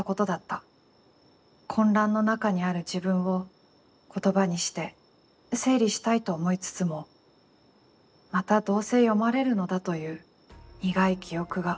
混乱の中にある自分を言葉にして整理したいと思いつつも、またどうせ読まれるのだという苦い記憶が、彼女を躊躇させた」。